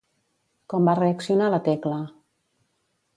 Com va reaccionar la Tecla?